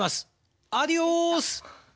アディオス！